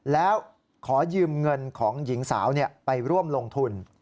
แล้วขอยืมเงินของหญิงสาวไปร่วมลงทุน